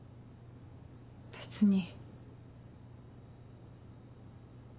別に。